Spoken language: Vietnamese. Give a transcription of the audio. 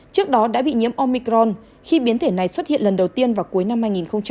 trước đó đã bị nhiễm omicron khi biến thể này xuất hiện lần đầu tiên vào cuối năm hai nghìn một mươi chín